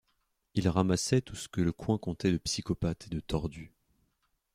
ils ramassaient tout ce que le coin comptait de psychopathes et de tordus.